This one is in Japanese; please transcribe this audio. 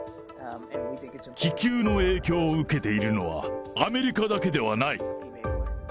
気球の影響を受けているのはアメリカだけではない。